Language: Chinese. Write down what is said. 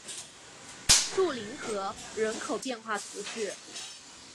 树林河人口变化图示